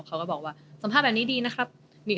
เขาก็บอกว่าสัมภาษณ์แบบนี้ดีนะครับ